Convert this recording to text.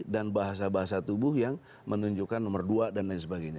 dan bahasa bahasa tubuh yang menunjukkan nomor dua dan lain sebagainya